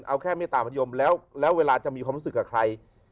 เอาแค่เมตตามยมแล้วเวลาจะมีความรู้สึกกับใคร